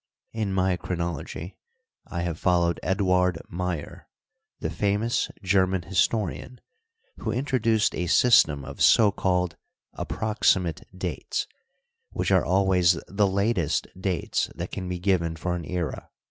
In my chronology I have followed Eduard Meyer, the famous German historian, who introduced a system of so called "approximate dates, which are always the latest dates that can be given for an era.